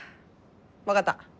分かった。